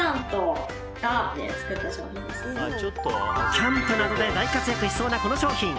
キャンプなどで大活躍しそうなこの商品。